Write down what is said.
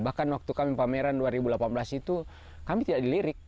bahkan waktu kami pameran dua ribu delapan belas itu kami tidak dilirik